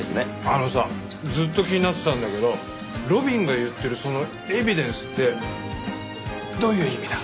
あのさずっと気になってたんだけど路敏が言ってるその「エビデンス」ってどういう意味だ？